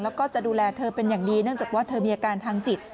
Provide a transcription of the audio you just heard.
แล้วก็จะดูแลเธอเป็นอย่างดีเนื่องจากว่าเธอมีอาการทางจิต